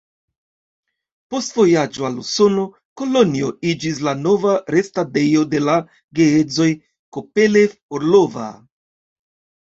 Post vojaĝo al Usono, Kolonjo iĝis la nova restadejo de la geedzoj Kopelev-Orlova.